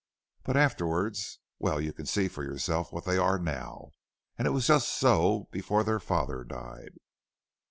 But afterwards well, you can see for yourself what they are now; and it was just so before their father died."